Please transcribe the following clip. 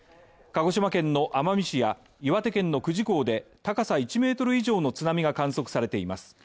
鹿児島県の奄美市や岩手県の久慈港で、高さ１ｍ以上の津波が観測されています。